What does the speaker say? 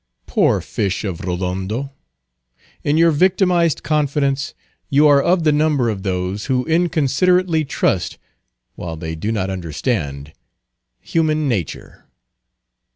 Poor fish of Rodondo! in your victimized confidence, you are of the number of those who inconsiderately trust, while they do not understand, human nature.